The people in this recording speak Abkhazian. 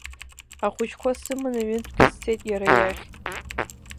Ахәыҷқәа сыманы ҩынтәгьы сцеит иара иахь.